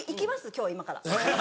今日今から。